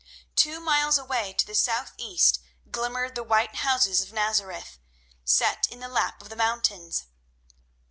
Two miles away to the southeast glimmered the white houses of Nazareth, set in the lap of the mountains.